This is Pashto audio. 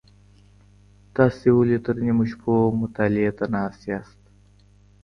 تاسو ولي تر نیمو شپو مطالعې ته ناست یئ؟